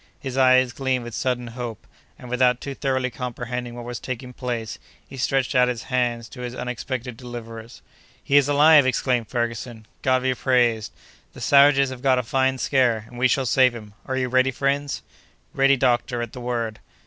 His eyes gleamed with sudden hope, and, without too thoroughly comprehending what was taking place, he stretched out his hands to his unexpected deliverers. "He is alive!" exclaimed Ferguson. "God be praised! The savages have got a fine scare, and we shall save him! Are you ready, friends?" "Ready, doctor, at the word."